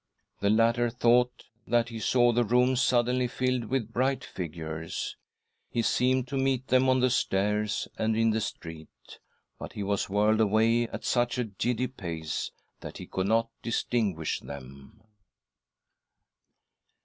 The latter thought that he saw the room suddenly filled with bright figures. He seemed to meet them on the stairs, and in the street— but he was whirled away at such a giddy pace that he could not distinguish them.